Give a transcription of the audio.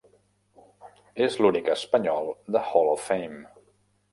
És l'únic espanyol del Hall of Fame.